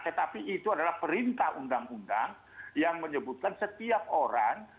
tetapi itu adalah perintah undang undang yang menyebutkan setiap orang